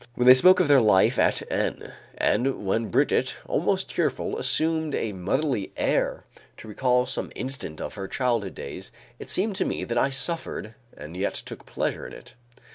When they spoke of their life at N , and when Brigitte, almost cheerful, assumed a motherly air to recall some incident of their childhood days, it seemed to me that I suffered, and yet took pleasure in it.